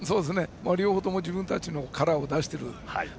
両方とも自分たちのカラーを出している。